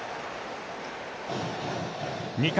２回。